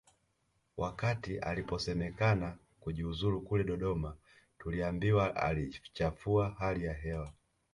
Wakati aliposemekana kujiuzulu kule Dodoma tuliambiwa aliichafua hali ya hewa